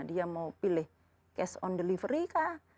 dia mau pilih cash on delivery kah